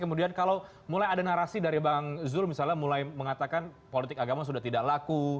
kemudian kalau mulai ada narasi dari bang zul misalnya mulai mengatakan politik agama sudah tidak laku